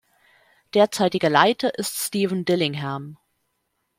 Derzeitiger Leiter ist Steven Dillingham.